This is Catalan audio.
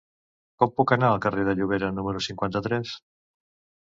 Com puc anar al carrer de Llobera número cinquanta-tres?